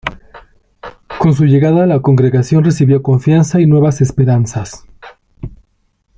Con su llegada, la congregación recibió confianza y nuevas esperanzas.